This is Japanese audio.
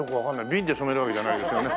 瓶で染めるわけじゃないですよね？